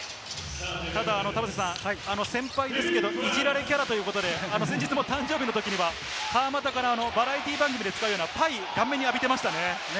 ただ田臥さん、先輩ですけれども、いじられキャラということで、先日もお誕生日のときには川真田からバラエティー番組で使うようなパイを顔面に浴びてましたね。